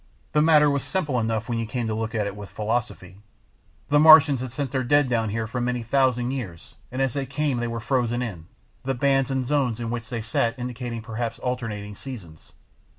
The matter was simple enough when you came to look at it with philosophy. The Martians had sent their dead down here for many thousand years and as they came they were frozen in, the bands and zones in which they sat indicating perhaps alternating seasons.